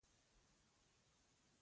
رنسانس په لغت کې بیا زیږیدنې ته وایي.